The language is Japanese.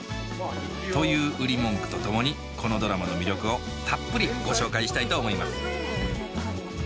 という売り文句とともにこのドラマの魅力をたっぷりご紹介したいと思います